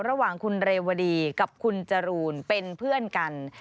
ระหว่างคุณเรวดีกับคุณจรูนเป็นเพื่อนกัน